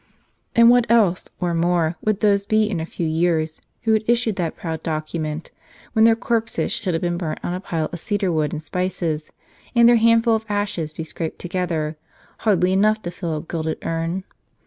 And what else, or more, would those be in a few years who had issued that proud document, when their corpses should have been burnt on a pile of cedar wood and spices, and their handful of ashes be scraped together, hardly enough to fill a gilded urn